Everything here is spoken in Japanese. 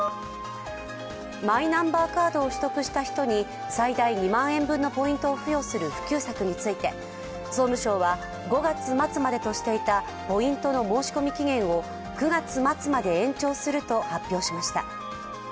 マイナンバーカードを取得した人に最大２万円分のポイントを付与する普及策について、総務省は５月末までとしていたポイントの申し込み期限を９月末まで延長すると発表しました。